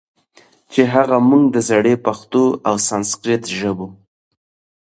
چې هغه موږ د زړې پښتو او سانسکریت ژبو